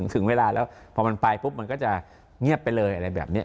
ถึงเวลาแล้วพอมันไปปุ๊บมันก็จะเงียบไปเลยอะไรแบบนี้